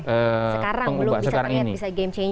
sekarang belum bisa game changer